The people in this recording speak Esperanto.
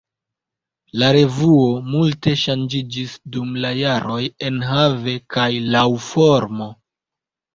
La revuo multe ŝanĝiĝis dum la jaroj enhave kaj laŭ formo.